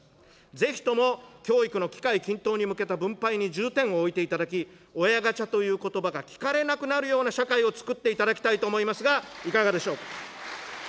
ぜひとも教育機会均等の分配に重点を置いていただき、親ガチャということばが聞かれなくなるような社会をつくっていただきたいと思いますが、いかがでしょうか。